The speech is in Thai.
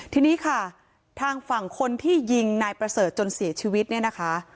ทีนี้ค่ะทางฝั่งคนที่ยิงนายประเสริฐจนเสียชีวิตเนี่ยนะคะ